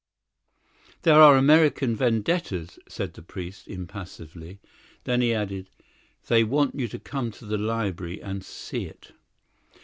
"There are American vendettas," said the priest impassively. Then he added: "They want you to come to the library and see it."